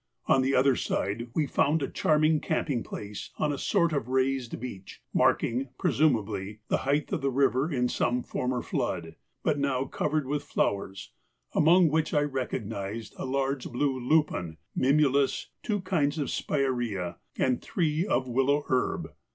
On the other side we found a charming camping place on a sort of raised beach, marking, presumably, the height of the river in some former flood, but now covered with flowers, among which I recognised a large blue lupin, mimulus, two kinds of spiræa, and three of willow herb.